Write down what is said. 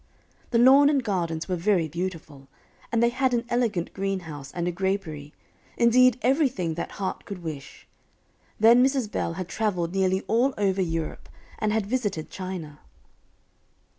The lawn and gardens were very beautiful, and they had an elegant greenhouse and a grapery, indeed, everything that heart could wish. Then Mrs. Bell had traveled nearly all over Europe, and had visited China.